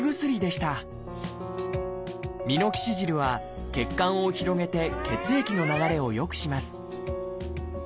ミノキシジルは血管を広げて血液の流れを良くします